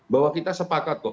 bahwa kita sepakat kok